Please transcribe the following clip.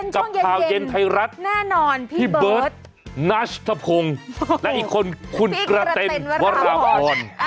เป็นช่วงเย็นแน่นอนพี่เบิร์ตนัชทะพุงและอีกคนคุณกระเต็นวาราวรรณ